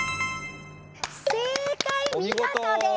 正解見事です。